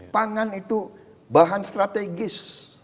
pangan itu bahan strategis